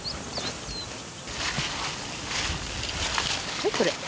はいこれ。